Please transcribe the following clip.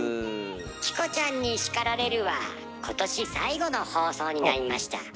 「チコちゃんに叱られる」は今年最後の放送になりました。